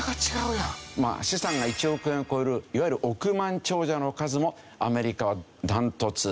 資産が１億円を超えるいわゆる億万長者の数もアメリカはダントツ。